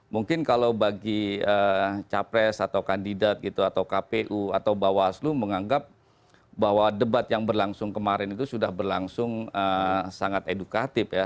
mungkin kalau bagi capres atau kandidat gitu atau kpu atau bawaslu menganggap bahwa debat yang berlangsung kemarin itu sudah berlangsung sangat edukatif ya